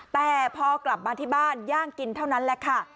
แต่พอกลับมาที่บ้านย่างกินเท่านั้นแหละค่ะ